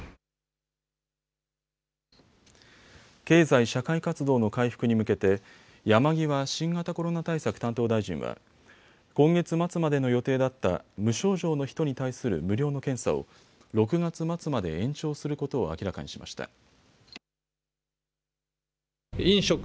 経済社会活動の回復に向けて山際新型コロナ対策担当大臣は今月末までの予定だった無症状の人に対する無料の検査を６月末まで延長することを明らかにしました。